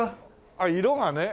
あっ色がね。